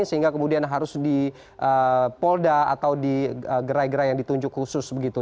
sehingga kemudian harus di polda atau di gerai gerai yang ditunjuk khusus begitu